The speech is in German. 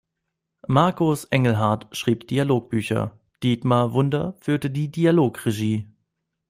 Markus Engelhardt schrieb die Dialogbücher, Dietmar Wunder führte die Dialogregie.